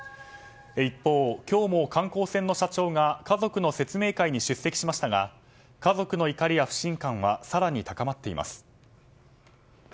一方、今日も観光船の社長が家族の説明会に出席しましたが家族の怒りや不信感は更に高まっています。